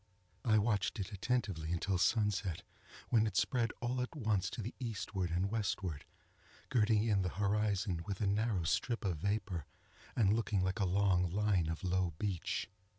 I watched it attentively until sunset, when it spread all at once to the eastward and westward, girting in the horizon with a narrow strip of vapor, and looking like a long line of low beach.